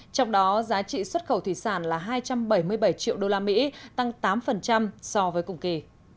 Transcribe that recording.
trong đó giá trị xuất khẩu thủy sản là hai trăm bảy mươi bảy triệu đô la mỹ tăng tám so với cùng kỳ